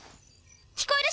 聞こえる？